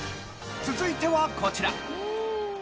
続いてはこちら。